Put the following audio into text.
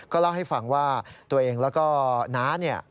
ก็เล่าให้ฟังว่าตัวเองแล้วก็หน้า